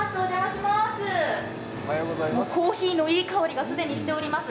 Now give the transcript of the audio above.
コーヒーのいい香りが既にしております。